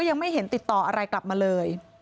ยังไม่เห็นติดต่ออะไรกลับมาเลย